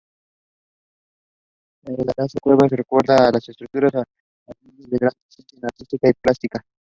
Las casas-cueva recuerdan a estructuras habitables con una gran pretensión artística y calidad plástica.